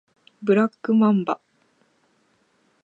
ブラックマンバ